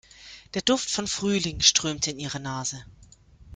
Der Duft von Frühling strömte in ihre Nase.